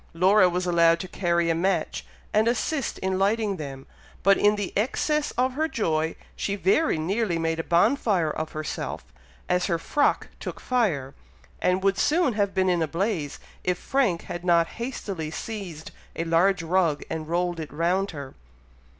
Laura was allowed to carry a match, and assist in lighting them, but in the excess of her joy, she very nearly made a bonfire of herself, as her frock took fire, and would soon have been in a blaze, if Frank had not hastily seized a large rug and rolled it round her.